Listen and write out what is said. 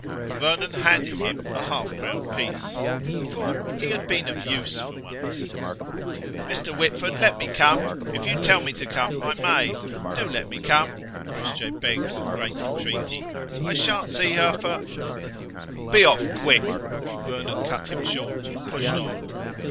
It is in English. Vernon handed him a half crown piece, for he had been of use for once. "Mr. Whitford, let me come. If you tell me to come I may. Do let me come," Crossjay begged with great entreaty. "I sha'n't see her for ..." "Be off, quick!" Vernon cut him short and pushed on.